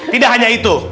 tidak hanya itu